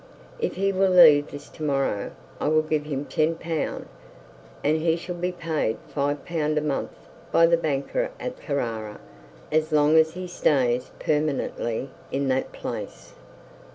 'If he will leave to morrow, I will give him L 10, and he shall be paid L 5 a month by the banker at Carrara as long as he stays permanently in that place.'